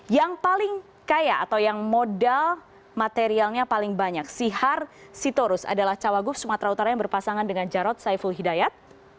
yang paling kaya atau yang modal materialnya paling banyak sihar sitorus adalah cawagup sumatera utara yang berpasangan dengan jarod saiful hidayat